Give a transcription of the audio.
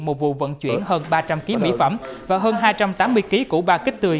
một vụ vận chuyển hơn ba trăm linh ký mỹ phẩm và hơn hai trăm tám mươi kg củ ba kích tươi